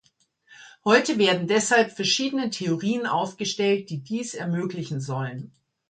Heute werden deshalb verschiedene Theorien aufgestellt, die dies ermöglichen sollen.